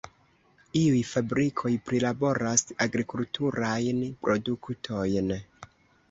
Iuj fabrikoj prilaboras agrikulturajn produktojn.